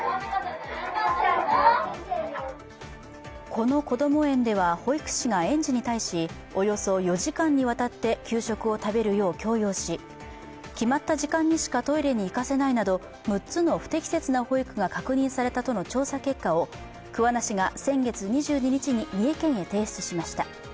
このこども園では保育士が園児に対しおよそ４時間にわたって給食を食べるよう強要し、決まった時間にしかトイレに行かせないなど６つの不適切な保育が確認されたとの調査結果を桑名市が先月２２日に三重県へ提出しました。